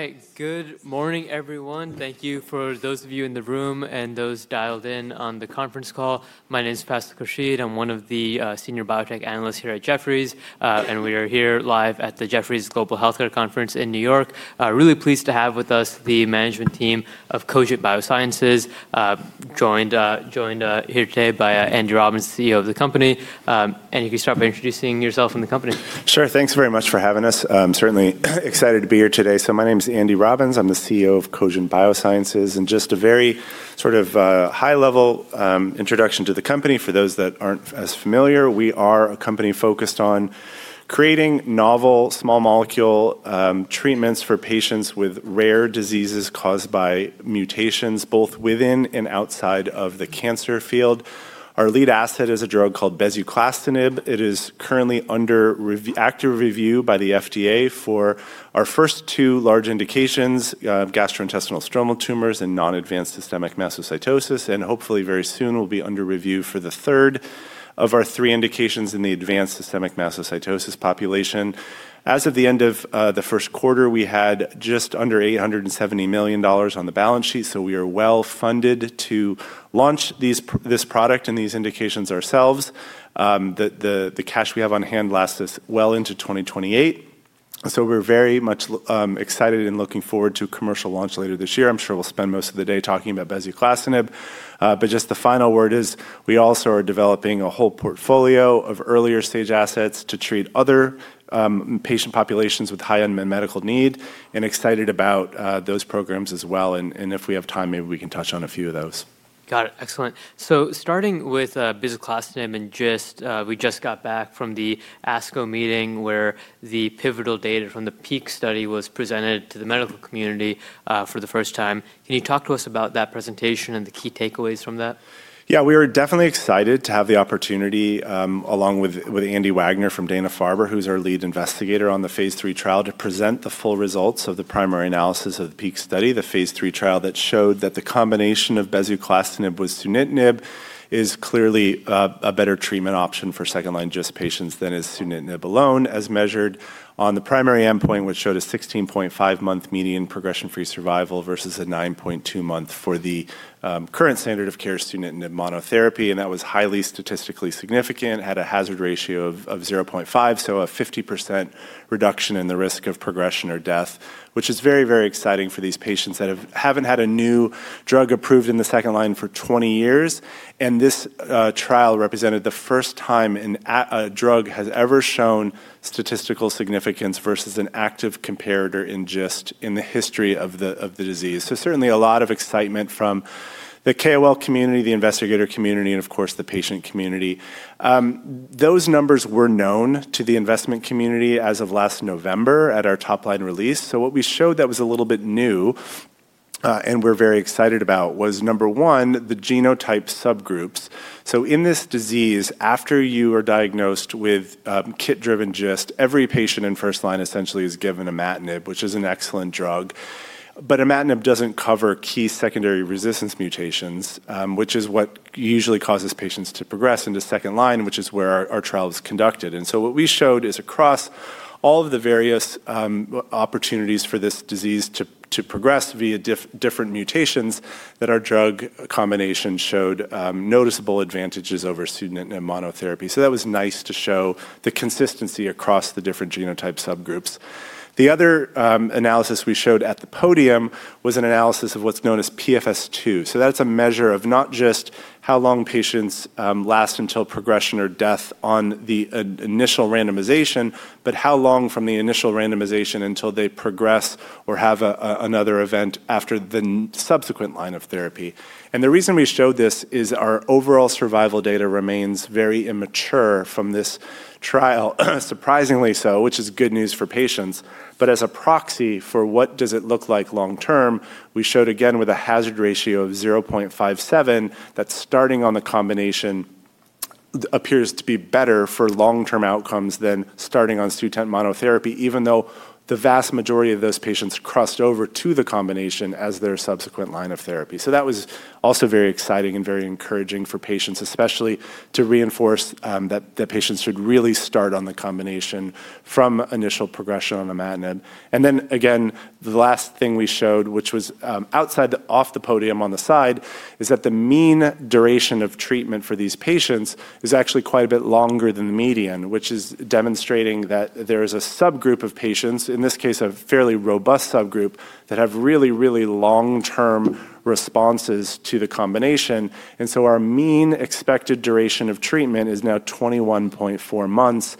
All right. Good morning, everyone. Thank you for those of you in the room and those dialed in on the conference call. My name is Faisal Khurshid. I'm one of the senior biotech analysts here at Jefferies, and we are here live at the Jefferies Global Healthcare Conference in New York. Really pleased to have with us the management team of Cogent Biosciences, joined here today by Andrew Robbins, CEO of the company. Andy, you can start by introducing yourself and the company. Thanks very much for having us. I'm certainly excited to be here today. My name's Andrew Robbins. I'm the CEO of Cogent Biosciences. Just a very high-level introduction to the company for those that aren't as familiar, we are a company focused on creating novel small molecule treatments for patients with rare diseases caused by mutations, both within and outside of the cancer field. Our lead asset is a drug called bezuclastinib. It is currently under active review by the FDA for our first two large indications of gastrointestinal stromal tumors and non-advanced systemic mastocytosis. Hopefully very soon will be under review for the third of our three indications in the advanced systemic mastocytosis population. As of the end of the first quarter, we had just under $870 million on the balance sheet. We are well-funded to launch this product and these indications ourselves. The cash we have on hand lasts us well into 2028, so we're very much excited and looking forward to commercial launch later this year. Just the final word is we also are developing a whole portfolio of earlier stage assets to treat other patient populations with high unmet medical need and excited about those programs as well. If we have time, maybe we can touch on a few of those. Got it. Excellent. Starting with bezuclastinib and we just got back from the ASCO meeting where the pivotal data from the PEAK study was presented to the medical community for the first time. Can you talk to us about that presentation and the key takeaways from that? Yeah, we were definitely excited to have the opportunity, along with Andy Wagner from Dana-Farber, who's our lead investigator on the phase III trial, to present the full results of the primary analysis of the PEAK study, the phase III trial that showed that the combination of bezuclastinib with sunitinib is clearly a better treatment option for second-line GIST patients than as sunitinib alone, as measured on the primary endpoint, which showed a 16.5-month median progression-free survival versus a 9.2-month for the current standard of care, sunitinib monotherapy. That was highly statistically significant, had a hazard ratio of 0.5, so a 50% reduction in the risk of progression or death, which is very exciting for these patients that haven't had a new drug approved in the second line for 20 years. This trial represented the first time a drug has ever shown statistical significance versus an active comparator in GIST in the history of the disease. Certainly a lot of excitement from the KOL community, the investigator community, and of course, the patient community. Those numbers were known to the investment community as of last November at our top-line release. What we showed that was a little bit new, and we're very excited about, was, number one, the genotype subgroups. In this disease, after you are diagnosed with KIT-driven GIST, every patient in first line essentially is given imatinib, which is an excellent drug. Imatinib doesn't cover key secondary resistance mutations, which is what usually causes patients to progress into second line, which is where our trial was conducted. What we showed is across all of the various opportunities for this disease to progress via different mutations, that our drug combination showed noticeable advantages over sunitinib monotherapy. That was nice to show the consistency across the different genotype subgroups. The other analysis we showed at the podium was an analysis of what's known as PFS-2. That's a measure of not just how long patients last until progression or death on the initial randomization, but how long from the initial randomization until they progress or have another event after the subsequent line of therapy. The reason we showed this is our overall survival data remains very immature from this trial, surprisingly so, which is good news for patients. As a proxy for what does it look like long term, we showed again with a hazard ratio of 0.57 that starting on the combination appears to be better for long-term outcomes than starting on sunitinib monotherapy, even though the vast majority of those patients crossed over to the combination as their subsequent line of therapy. That was also very exciting and very encouraging for patients, especially to reinforce that the patients should really start on the combination from initial progression on imatinib. The last thing we showed, which was outside off the podium on the side, is that the mean duration of treatment for these patients is actually quite a bit longer than the median, which is demonstrating that there is a subgroup of patients, in this case, a fairly robust subgroup, that have really long-term responses to the combination. Our mean expected duration of treatment is now 21.4 months,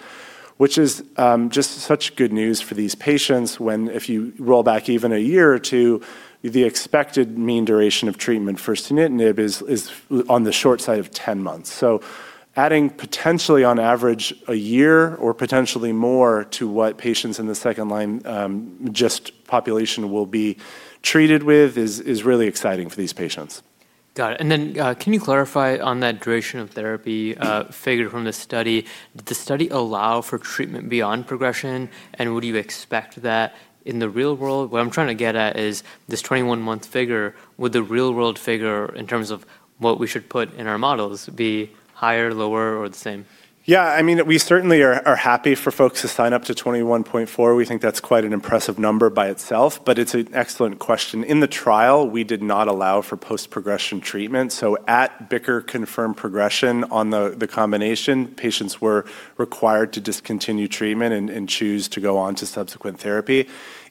which is just such good news for these patients when, if you roll back even a year or two, the expected mean duration of treatment for sunitinib is on the short side of 10 months. Adding potentially on average a year or potentially more to what patients in the second line GIST population will be treated with is really exciting for these patients. Got it. Can you clarify on that duration of therapy figure from the study? Did the study allow for treatment beyond progression, and would you expect that in the real world? What I'm trying to get at is this 21-month figure, would the real-world figure in terms of what we should put in our models be higher, lower, or the same? We certainly are happy for folks to sign up to 21.4. We think that's quite an impressive number by itself, but it's an excellent question. In the trial, we did not allow for post-progression treatment. At BICR confirmed progression on the combination, patients were required to discontinue treatment and choose to go on to subsequent therapy.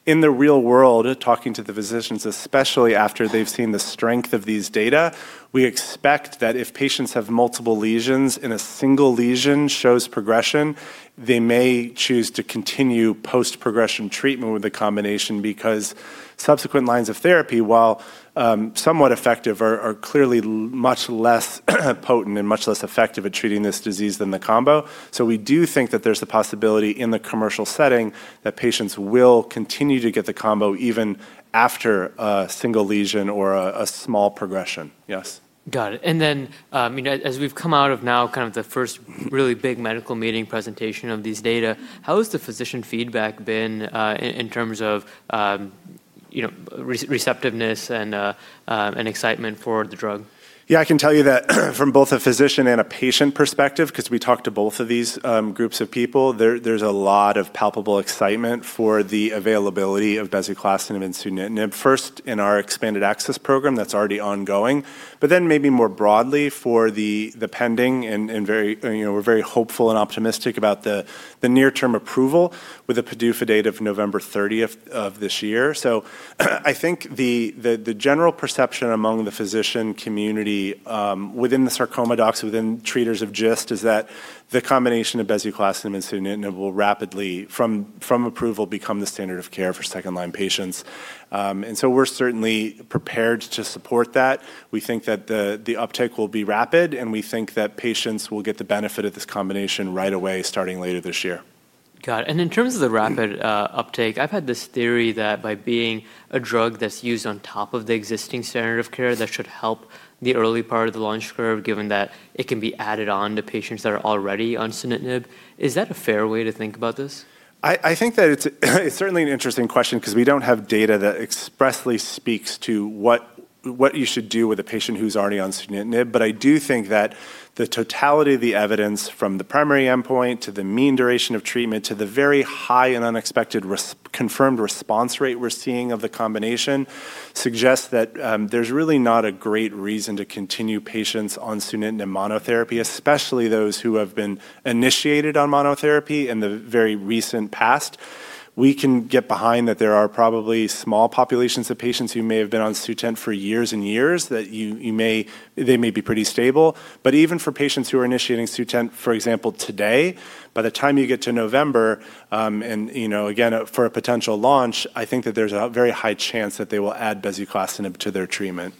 In the real world, talking to the physicians, especially after they've seen the strength of these data, we expect that if patients have multiple lesions and a single lesion shows progression, they may choose to continue post-progression treatment with the combination because subsequent lines of therapy, while somewhat effective, are clearly much less potent and much less effective at treating this disease than the combo. We do think that there's the possibility in the commercial setting that patients will continue to get the combo even after a single lesion or a small progression. Yes. Got it. As we've come out of now the first really big medical meeting presentation of these data, how has the physician feedback been in terms of receptiveness and excitement for the drug? Yeah, I can tell you that from both a physician and a patient perspective, because we talk to both of these groups of people, there's a lot of palpable excitement for the availability of bezuclastinib and sunitinib, first in our expanded access program that's already ongoing, maybe more broadly for the pending, and we're very hopeful and optimistic about the near-term approval with a PDUFA date of November 30th of this year. I think the general perception among the physician community within the sarcoma docs, within treaters of GIST, is that the combination of bezuclastinib and sunitinib will rapidly, from approval, become the standard of care for second-line patients. We're certainly prepared to support that. We think that the uptake will be rapid, and we think that patients will get the benefit of this combination right away starting later this year. Got it. In terms of the rapid uptake, I've had this theory that by being a drug that's used on top of the existing standard of care, that should help the early part of the launch curve, given that it can be added on to patients that are already on sunitinib. Is that a fair way to think about this? I think that it's certainly an interesting question because we don't have data that expressly speaks to what you should do with a patient who's already on sunitinib. I do think that the totality of the evidence from the primary endpoint to the mean duration of treatment to the very high and unexpected confirmed response rate we're seeing of the combination suggests that there's really not a great reason to continue patients on sunitinib monotherapy, especially those who have been initiated on monotherapy in the very recent past. We can get behind that there are probably small populations of patients who may have been on Sutent for years and years that they may be pretty stable. Even for patients who are initiating Sutent, for example, today, by the time you get to November, and again, for a potential launch, I think that there's a very high chance that they will add bezuclastinib to their treatment.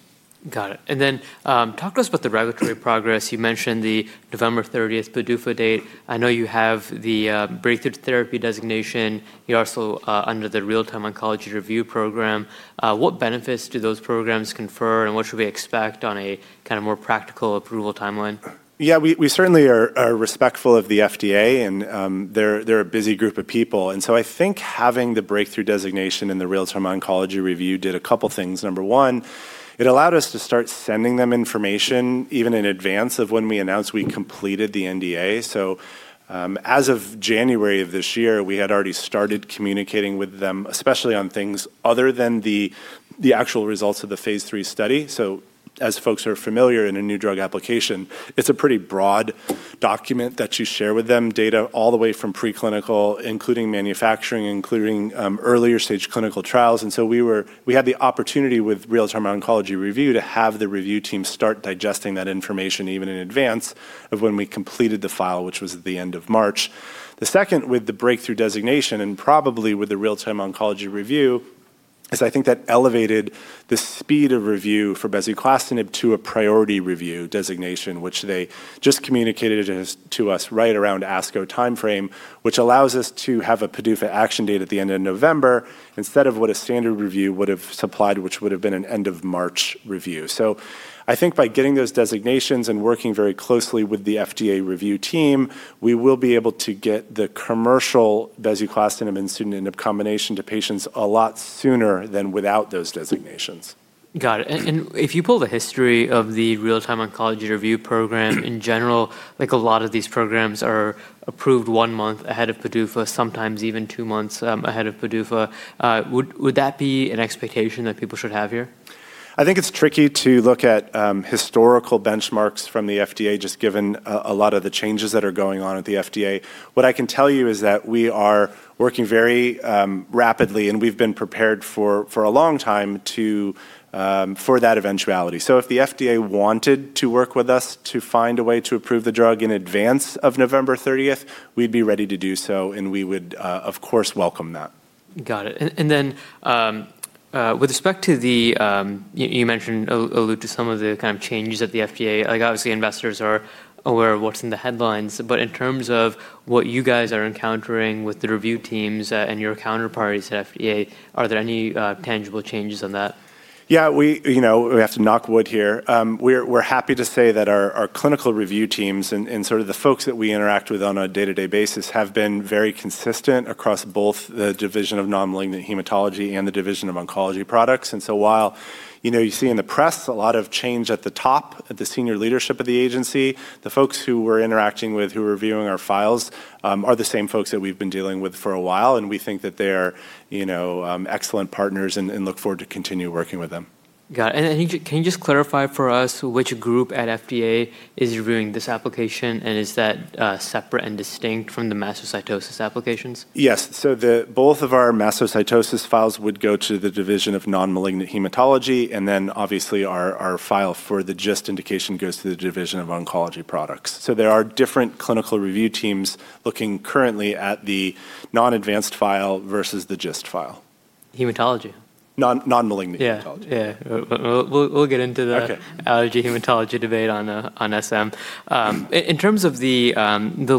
Got it. Talk to us about the regulatory progress. You mentioned the November 30th PDUFA date. I know you have the Breakthrough Therapy Designation. You're also under the Real-Time Oncology Review Program. What benefits do those programs confer, and what should we expect on a more practical approval timeline? Yeah, we certainly are respectful of the FDA, and they're a busy group of people. I think having the Breakthrough Designation and the Real-Time Oncology Review did a couple of things. Number one, it allowed us to start sending them information even in advance of when we announced we completed the NDA. As of January of this year, we had already started communicating with them, especially on things other than the actual results of the phase III study. As folks are familiar in a new drug application, it's a pretty broad document that you share with them, data all the way from pre-clinical, including manufacturing, including earlier-stage clinical trials. We had the opportunity with Real-Time Oncology Review to have the review team start digesting that information even in advance of when we completed the file, which was at the end of March. The second with the breakthrough designation and probably with the Real-Time Oncology Review is I think that elevated the speed of review for bezuclastinib to a priority review designation, which they just communicated to us right around ASCO timeframe, which allows us to have a PDUFA action date at the end of November instead of what a standard review would have supplied, which would have been an end-of-March review. I think by getting those designations and working very closely with the FDA review team, we will be able to get the commercial bezuclastinib and sunitinib combination to patients a lot sooner than without those designations. Got it. If you pull the history of the Real-Time Oncology Review Program in general, a lot of these programs are approved one month ahead of PDUFA, sometimes even two months ahead of PDUFA. Would that be an expectation that people should have here? I think it's tricky to look at historical benchmarks from the FDA just given a lot of the changes that are going on at the FDA. What I can tell you is that we are working very rapidly, and we've been prepared for a long time for that eventuality. If the FDA wanted to work with us to find a way to approve the drug in advance of November 30th, we'd be ready to do so, and we would, of course, welcome that. Got it. You mentioned, allude to some of the changes at the FDA. Obviously, investors are aware of what's in the headlines. In terms of what you guys are encountering with the review teams and your counterparties at FDA, are there any tangible changes on that? Yeah, we have to knock wood here. We're happy to say that our clinical review teams and the folks that we interact with on a day-to-day basis have been very consistent across both the Division of Non-Malignant Hematology and the Division of Oncology Products. While you see in the press a lot of change at the top, at the senior leadership of the agency, the folks who we're interacting with, who are reviewing our files, are the same folks that we've been dealing with for a while, and we think that they are excellent partners and look forward to continue working with them. Got it. Can you just clarify for us which group at FDA is reviewing this application, and is that separate and distinct from the mastocytosis applications? Both of our mastocytosis files would go to the Division of Non-Malignant Hematology, and then obviously our file for the GIST indication goes to the Division of Oncology Products. There are different clinical review teams looking currently at the non-advanced file versus the GIST file. Hematology. Non-malignant hematology. Yeah. We'll get into the- Okay Allergy hematology debate on SM. In terms of the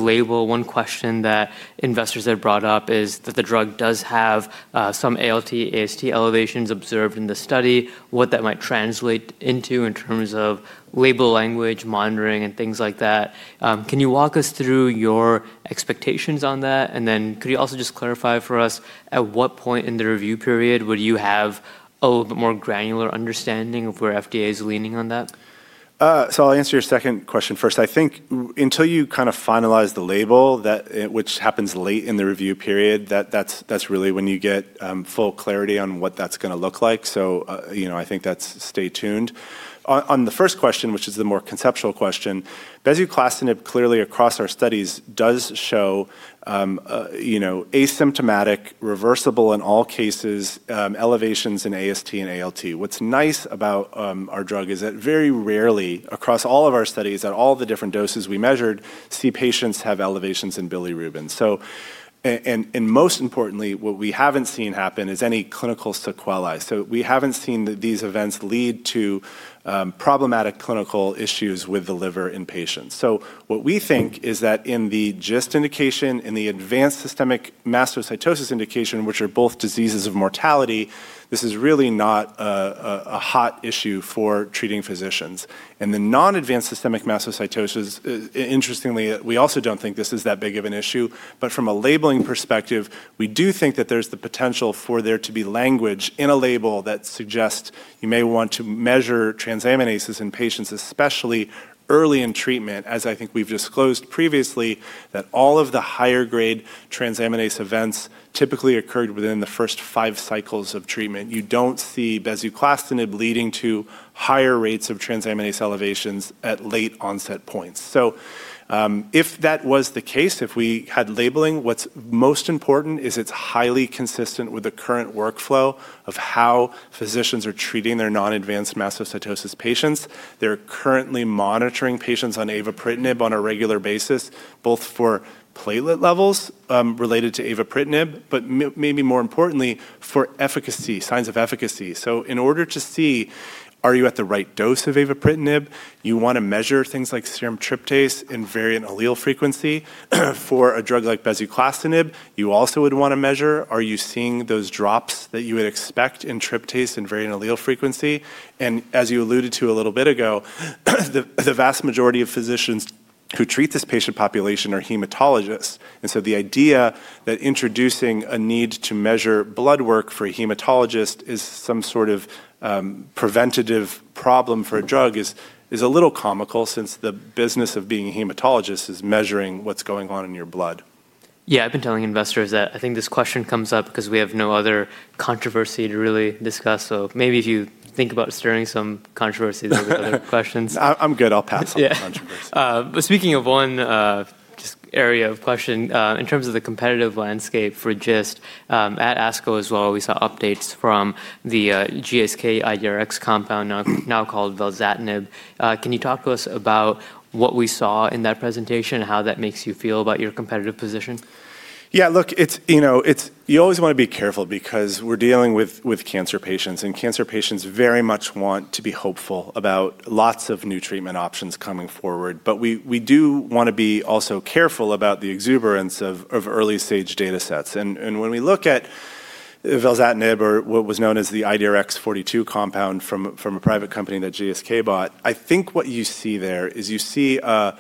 label, one question that investors have brought up is that the drug does have some ALT, AST elevations observed in the study, what that might translate into in terms of label language, monitoring, and things like that. Can you walk us through your expectations on that? Could you also just clarify for us at what point in the review period would you have a little bit more granular understanding of where FDA is leaning on that? I'll answer your second question first. I think until you finalize the label, which happens late in the review period, that's really when you get full clarity on what that's going to look like, so I think that's stay tuned. On the first question, which is the more conceptual question, bezuclastinib clearly across our studies does show asymptomatic, reversible in all cases, elevations in AST and ALT. What's nice about our drug is that very rarely across all of our studies at all the different doses we measured, see patients have elevations in bilirubin. Most importantly, what we haven't seen happen is any clinical sequelae. We haven't seen these events lead to problematic clinical issues with the liver in patients. What we think is that in the GIST indication, in the advanced systemic mastocytosis indication, which are both diseases of mortality, this is really not a hot issue for treating physicians. In the non-advanced systemic mastocytosis, interestingly, we also don't think this is that big of an issue. From a labeling perspective, we do think that there's the potential for there to be language in a label that suggests you may want to measure transaminases in patients, especially early in treatment, as I think we've disclosed previously that all of the higher grade transaminase events typically occurred within the first five cycles of treatment. You don't see bezuclastinib leading to higher rates of transaminase elevations at late onset points. If that was the case, if we had labeling, what's most important is it is highly consistent with the current workflow of how physicians are treating their non-advanced mastocytosis patients. They are currently monitoring patients on avapritinib on a regular basis, both for platelet levels related to avapritinib, but maybe more importantly, for efficacy, signs of efficacy. In order to see are you at the right dose of avapritinib, you want to measure things like serum tryptase and variant allele frequency. For a drug like bezuclastinib, you also would want to measure, are you seeing those drops that you would expect in tryptase and variant allele frequency? As you alluded to a little bit ago, the vast majority of physicians who treat this patient population are hematologists. The idea that introducing a need to measure blood work for a hematologist is some sort of preventative problem for a drug is a little comical since the business of being a hematologist is measuring what's going on in your blood. Yeah, I've been telling investors that. I think this question comes up because we have no other controversy to really discuss. Maybe if you think about stirring some controversies or other questions. I'm good. I'll pass on the controversy. Yeah. Speaking of one just area of question, in terms of the competitive landscape for GIST, at ASCO as well, we saw updates from the GSK IDRx compound, now called velzatinib. Can you talk to us about what we saw in that presentation and how that makes you feel about your competitive position? Yeah, look, you always want to be careful because we're dealing with cancer patients, and cancer patients very much want to be hopeful about lots of new treatment options coming forward. We do want to be also careful about the exuberance of early-stage data sets. When we look at velzatinib or what was known as the IDRX-42 compound from a private company that GSK bought, I think what you see there is you see a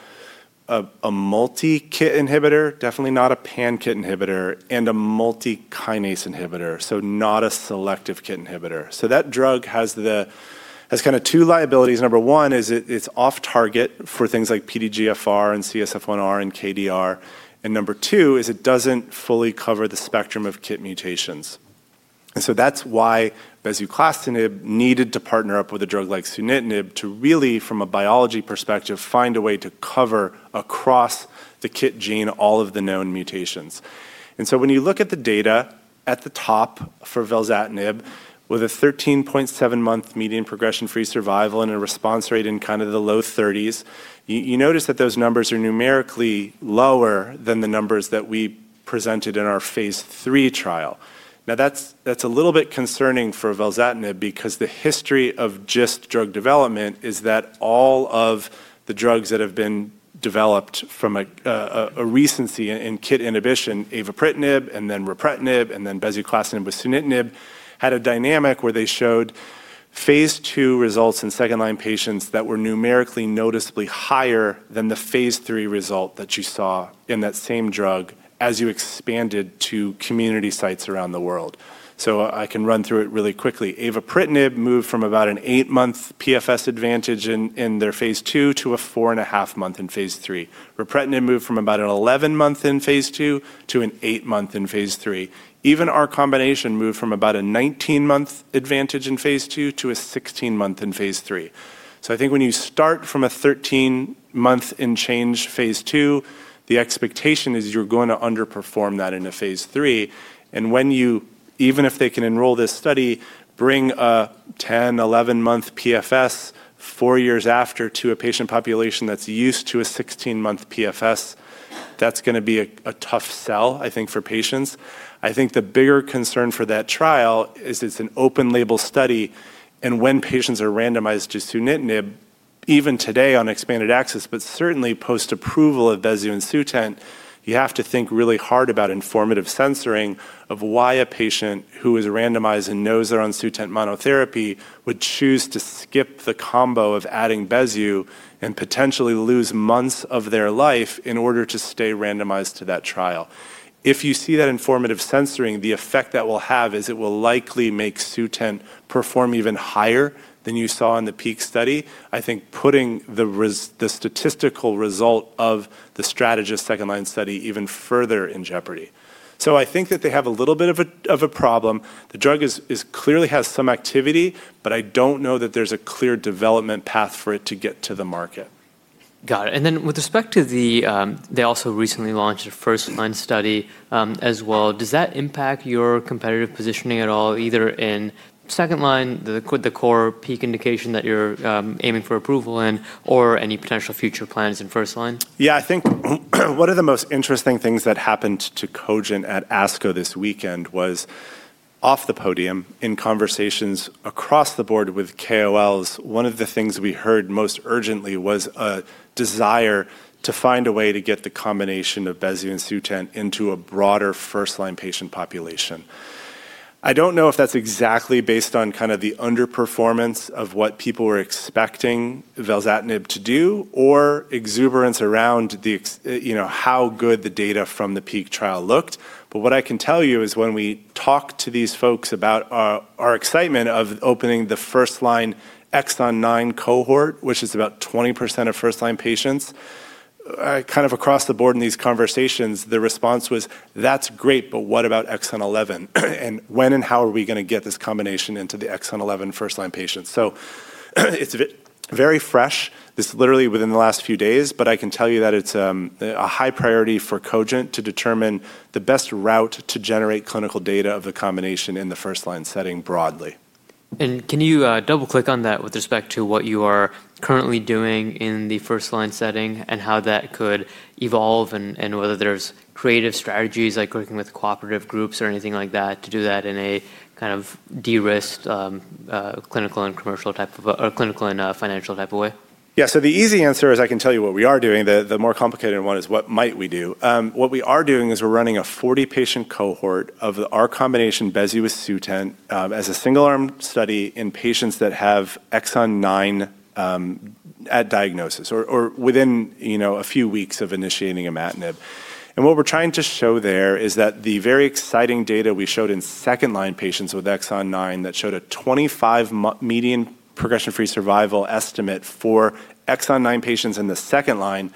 multi-KIT inhibitor, definitely not a pan-KIT inhibitor, and a multi-kinase inhibitor, so not a selective KIT inhibitor. That drug has two liabilities. Number one is it's off target for things like PDGFR and CSF1R and KDR. Number two is it doesn't fully cover the spectrum of KIT mutations. That's why bezuclastinib needed to partner up with a drug like sunitinib to really, from a biology perspective, find a way to cover across the KIT gene all of the known mutations. When you look at the data at the top for velzatinib, with a 13.7-month median progression-free survival and a response rate in the low 30s, you notice that those numbers are numerically lower than the numbers that we presented in our phase III trial. That's a little bit concerning for velzatinib because the history of GIST drug development is that all of the drugs that have been developed from a recency in KIT inhibition, avapritinib, and then ripretinib, and then bezuclastinib and sunitinib had a dynamic where they showed phase II results in second-line patients that were numerically noticeably higher than the phase III result that you saw in that same drug as you expanded to community sites around the world. I can run through it really quickly. Avapritinib moved from about an eight-month PFS advantage in their phase II to a 4.5-month in phase III. Ripretinib moved from about an 11-month in phase II to an eight-month in phase III. Even our combination moved from about a 19-month advantage in phase II to a 16-month in phase III. I think when you start from a 13-month-and-change phase II, the expectation is you're going to underperform that in a phase III. When you, even if they can enroll this study, bring a 10, 11-month PFS four years after to a patient population that's used to a 16-month PFS, that's going to be a tough sell, I think, for patients. The bigger concern for that trial is it's an open label study, and when patients are randomized to sunitinib, even today on expanded access, but certainly post-approval of bezu and Sutent, you have to think really hard about informative censoring of why a patient who is randomized and knows they're on Sutent monotherapy would choose to skip the combo of adding bezu and potentially lose months of their life in order to stay randomized to that trial. If you see that informative censoring, the effect that will have is it will likely make Sutent perform even higher than you saw in the PEAK study, I think putting the statistical result of the STRATUS second-line study even further in jeopardy. I think that they have a little bit of a problem. The drug clearly has some activity, but I don't know that there's a clear development path for it to get to the market. Got it. Then with respect to the, they also recently launched a first-line study as well. Does that impact your competitive positioning at all, either in second-line, the core PEAK indication that you're aiming for approval in, or any potential future plans in first line? I think one of the most interesting things that happened to Cogent at ASCO this weekend was off the podium in conversations across the board with KOLs. One of the things we heard most urgently was a desire to find a way to get the combination of Bezu and Sutent into a broader first-line patient population. I don't know if that's exactly based on the underperformance of what people were expecting velzatinib to do or exuberance around how good the data from the PEAK trial looked. What I can tell you is when we talk to these folks about our excitement of opening the first-line Exon 9 cohort, which is about 20% of first-line patients, across the board in these conversations, the response was, "That's great, but what about Exon 11? When and how are we going to get this combination into the Exon 11 first-line patients?" It's very fresh. It's literally within the last few days, but I can tell you that it's a high priority for Cogent to determine the best route to generate clinical data of the combination in the first-line setting broadly. Can you double click on that with respect to what you are currently doing in the first-line setting and how that could evolve and whether there's creative strategies like working with cooperative groups or anything like that to do that in a de-risked clinical and financial type of way? The easy answer is I can tell you what we are doing. The more complicated one is what might we do. What we are doing is we're running a 40-patient cohort of our combination bezuclastinib with Sutent as a single-arm study in patients that have Exon 9 at diagnosis or within a few weeks of initiating imatinib. What we're trying to show there is that the very exciting data we showed in second-line patients with Exon 9 that showed a 25 median progression-free survival estimate for Exon 9 patients in the second line,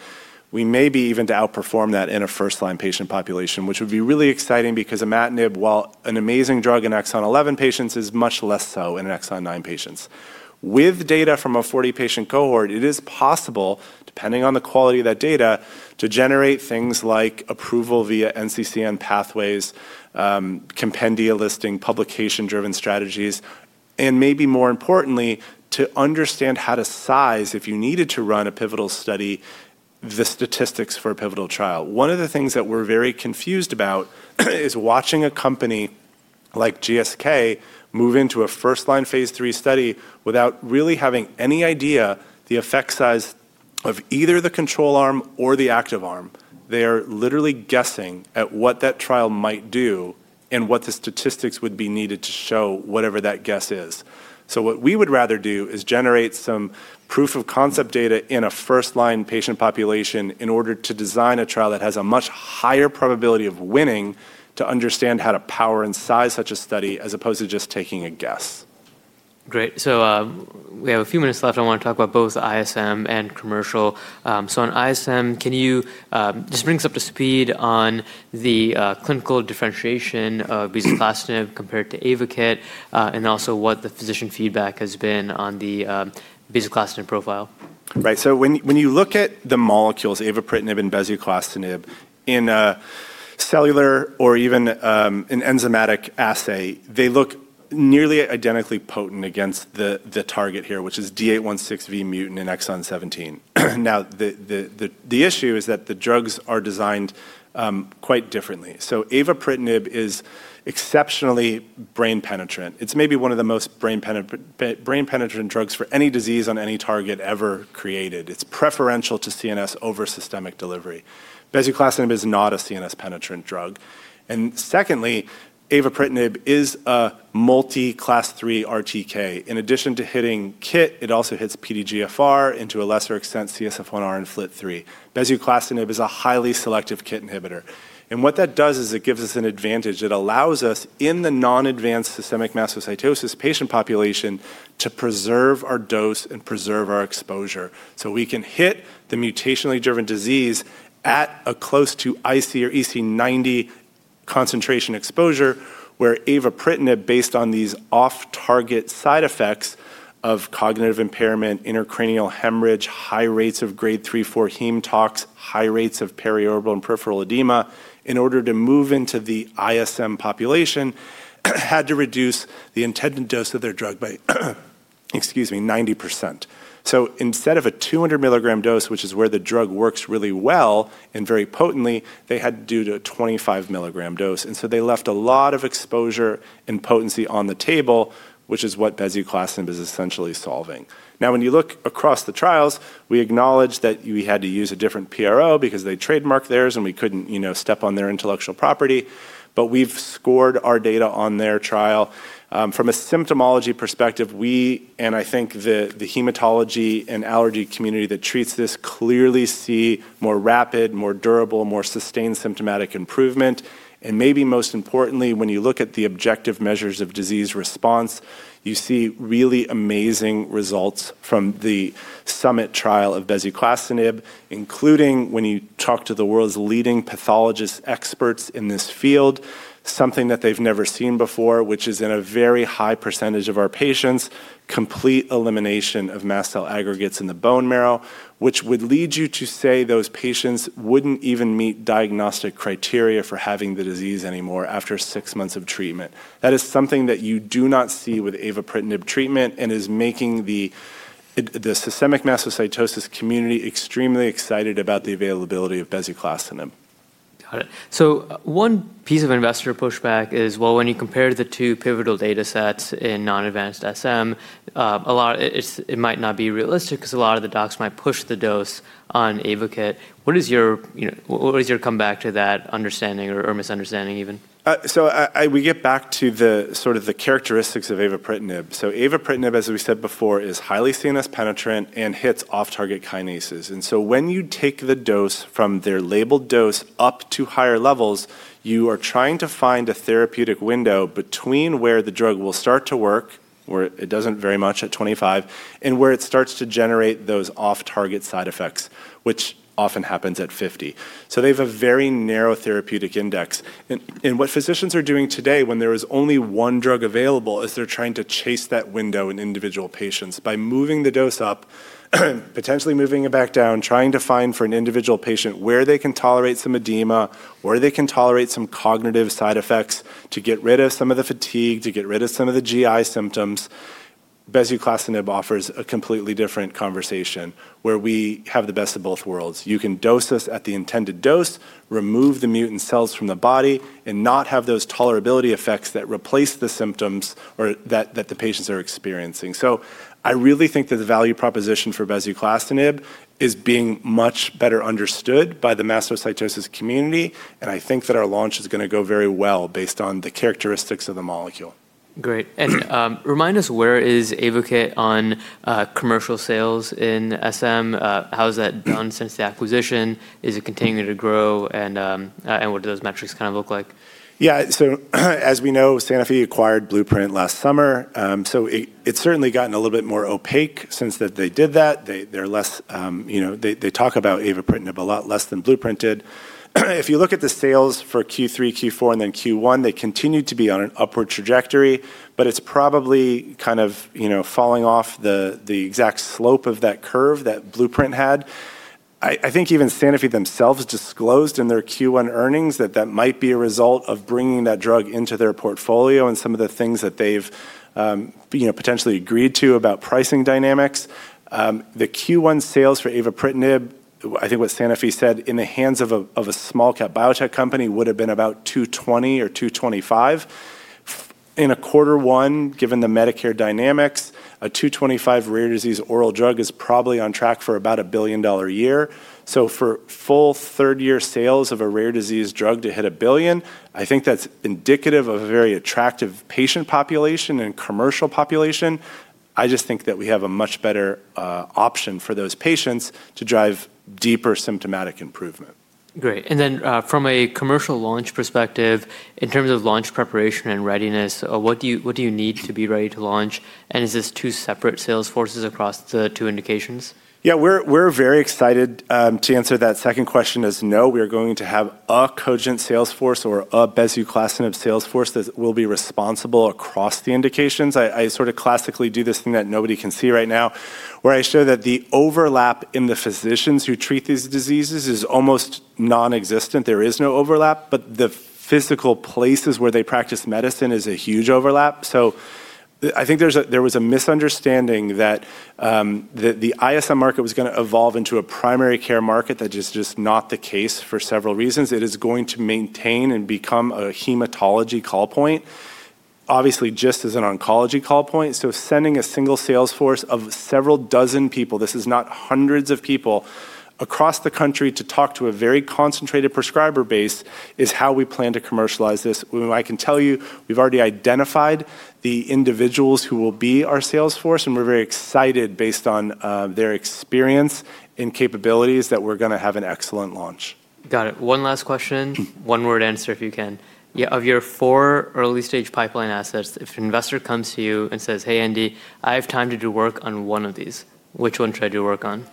we may be even to outperform that in a first-line patient population, which would be really exciting because imatinib, while an amazing drug in Exon 11 patients, is much less so in Exon 9 patients. With data from a 40-patient cohort, it is possible, depending on the quality of that data, to generate things like approval via NCCN pathways, compendia listing, publication-driven strategies, and maybe more importantly, to understand how to size if you needed to run a pivotal study, the statistics for a pivotal trial. One of the things that we're very confused about is watching a company like GSK move into a first-line phase III study without really having any idea the effect size of either the control arm or the active arm. They are literally guessing at what that trial might do and what the statistics would be needed to show whatever that guess is. What we would rather do is generate some proof of concept data in a first-line patient population in order to design a trial that has a much higher probability of winning to understand how to power and size such a study as opposed to just taking a guess. Great. We have a few minutes left. I want to talk about both the ISM and commercial. On ISM, can you just bring us up to speed on the clinical differentiation of bezuclastinib compared to avapritinib, and also what the physician feedback has been on the bezuclastinib profile? Right. When you look at the molecules, avapritinib and bezuclastinib, in a cellular or even an enzymatic assay, they look nearly identically potent against the target here, which is D816V mutant in Exon 17. The issue is that the drugs are designed quite differently. Avapritinib is exceptionally brain penetrant. It's maybe one of the most brain penetrant drugs for any disease on any target ever created. It's preferential to CNS over systemic delivery. Bezuclastinib is not a CNS penetrant drug. Avapritinib is a multi-Class III RTK. In addition to hitting KIT, it also hits PDGFR and to a lesser extent CSF1R and FLT3. Bezuclastinib is a highly selective KIT inhibitor, and what that does is it gives us an advantage. It allows us in the non-advanced systemic mastocytosis patient population to preserve our dose and preserve our exposure, so we can hit the mutationally driven disease at a close to IC90 or EC90 concentration exposure, where avapritinib, based on these off-target side effects of cognitive impairment, intracranial hemorrhage, high rates of grade 3, 4 hematologic toxicity, high rates of perioral and peripheral edema in order to move into the ISM population, had to reduce the intended dose of their drug by 90%. Instead of a 200 mg dose, which is where the drug works really well and very potently, they had to do a 25 mg dose, and so they left a lot of exposure and potency on the table, which is what bezuclastinib is essentially solving. When you look across the trials, we acknowledge that we had to use a different PRO because they trademark theirs and we couldn't step on their intellectual property. We've scored our data on their trial. From a symptomatology perspective, we and I think the hematology and allergy community that treats this clearly see more rapid, more durable, more sustained symptomatic improvement, and maybe most importantly, when you look at the objective measures of disease response, you see really amazing results from the SUMMIT trial of bezuclastinib, including when you talk to the world's leading pathologists, experts in this field, something that they've never seen before, which is in a very high percentage of our patients, complete elimination of mast cell aggregates in the bone marrow, which would lead you to say those patients wouldn't even meet diagnostic criteria for having the disease anymore after six months of treatment. That is something that you do not see with avapritinib treatment and is making the systemic mastocytosis community extremely excited about the availability of bezuclastinib. Got it. One piece of investor pushback is, well, when you compare the two pivotal data sets in non-advanced SM, it might not be realistic because a lot of the docs might push the dose on AYVAKIT. What is your comeback to that understanding or misunderstanding even? We get back to the characteristics of avapritinib. Avapritinib, as we said before, is highly CNS penetrant and hits off-target kinases. When you take the dose from their labeled dose up to higher levels, you are trying to find a therapeutic window between where the drug will start to work, where it doesn't very much at 25, and where it starts to generate those off-target side effects, which often happens at 50. They have a very narrow therapeutic index. What physicians are doing today when there is only one drug available, is they're trying to chase that window in individual patients by moving the dose up, potentially moving it back down, trying to find for an individual patient where they can tolerate some edema, where they can tolerate some cognitive side effects to get rid of some of the fatigue, to get rid of some of the GI symptoms. bezuclastinib offers a completely different conversation where we have the best of both worlds. You can dose this at the intended dose, remove the mutant cells from the body, and not have those tolerability effects that replace the symptoms that the patients are experiencing. I really think that the value proposition for bezuclastinib is being much better understood by the mastocytosis community, and I think that our launch is going to go very well based on the characteristics of the molecule. Great. Remind us where is AYVAKIT on commercial sales in SM? How has that done since the acquisition? Is it continuing to grow? What do those metrics look like? Yeah. As we know, Sanofi acquired Blueprint last summer, it's certainly gotten a little bit more opaque since they did that. They talk about avapritinib a lot less than Blueprint did. If you look at the sales for Q3, Q4, and then Q1, they continued to be on an upward trajectory, it's probably falling off the exact slope of that curve that Blueprint had. I think even Sanofi themselves disclosed in their Q1 earnings that that might be a result of bringing that drug into their portfolio and some of the things that they've potentially agreed to about pricing dynamics. The Q1 sales for avapritinib, I think what Sanofi said, in the hands of a small-cap biotech company would have been about $220 or $225. In a quarter one, given the Medicare dynamics, a 225 rare disease oral drug is probably on track for about $1 billion a year. For full third year sales of a rare disease drug to hit $1 billion, I think that's indicative of a very attractive patient population and commercial population. I just think that we have a much better option for those patients to drive deeper symptomatic improvement. Great. Then from a commercial launch perspective, in terms of launch preparation and readiness, what do you need to be ready to launch? Is this two separate sales forces across the two indications? Yeah, we're very excited to answer that second question as no, we are going to have a Cogent sales force or a bezuclastinib sales force that will be responsible across the indications. I classically do this thing that nobody can see right now, where I show that the overlap in the physicians who treat these diseases is almost non-existent. There is no overlap, the physical places where they practice medicine is a huge overlap. I think there was a misunderstanding that the ISM market was going to evolve into a primary care market, that is just not the case for several reasons. It is going to maintain and become a hematology call point, obviously just as an oncology call point. Sending a single sales force of several dozen people, this is not hundreds of people across the country to talk to a very concentrated prescriber base is how we plan to commercialize this. I can tell you we've already identified the individuals who will be our sales force, and we're very excited based on their experience and capabilities that we're going to have an excellent launch. Got it. One last question, one-word answer if you can. Of your four early-stage pipeline assets, if an investor comes to you and says, "Hey, Andy, I have time to do work on one of these," which one should I do work on?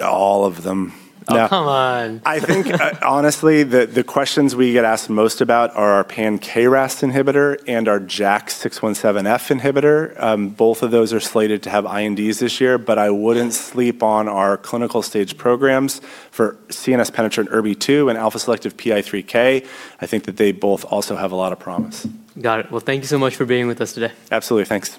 All of them. Oh, come on. I think honestly, the questions we get asked most about are our pan-KRAS inhibitor and our JAK2 V617F inhibitor. Both of those are slated to have INDs this year. I wouldn't sleep on our clinical stage programs for CNS penetrant ErbB2 and alpha selective PI3K. I think that they both also have a lot of promise. Got it. Well, thank you so much for being with us today. Absolutely. Thanks, Nick